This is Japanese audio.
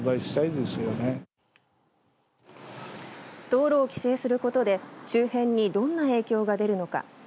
道路を規制することで周辺にどんな影響が出るのか。